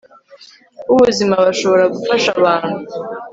b'ubuzima bashobora gufasha abantu